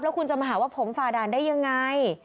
คุณจะมาหาว่าผมฝ่าด่านได้ยังไง